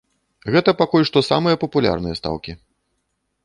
Гэта пакуль што самыя папулярныя стаўкі.